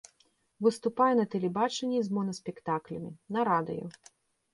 Выступае на тэлебачанні з монаспектаклямі, на радыё.